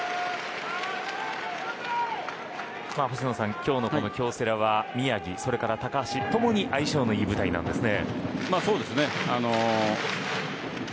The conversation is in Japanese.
星野さん、今日の京セラは宮城、それから高橋共に相性のいい舞台なんですね。